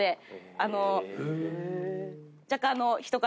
あの。